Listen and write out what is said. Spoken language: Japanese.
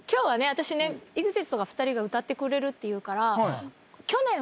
私ねＥＸＩＴの２人が歌ってくれるっていうから。